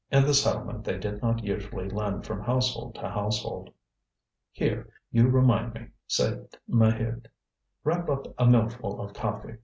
In the settlement they did not usually lend from household to household. "Here! you remind me," said Maheude. "Wrap up a millful of coffee.